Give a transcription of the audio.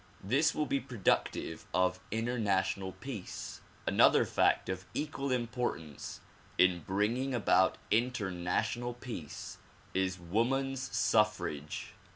This will be productive of international peace. Another fact of equal importance in bringing about international peace is woman's suffrage.